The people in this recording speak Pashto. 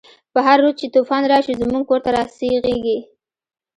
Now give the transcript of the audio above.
په هر رود چی توفان راشی، زمونږ کور ته راسیخیږی